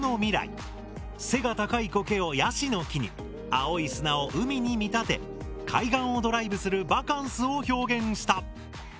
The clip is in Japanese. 背が高いコケをヤシの木に青い砂を海に見立て海岸をドライブするバカンスを表現した。